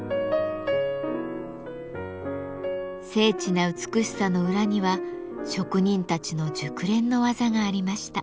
精緻な美しさの裏には職人たちの熟練の技がありました。